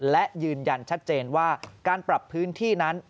และยืนยันชัดเจนว่าการปรับพื้นที่นั้น